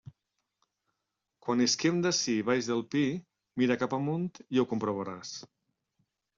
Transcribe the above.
Quan isquem d'ací baix del pi, mira cap amunt i ho comprovaràs.